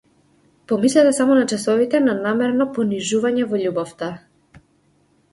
Помислете само на часовите на намерно понижување во љубовта!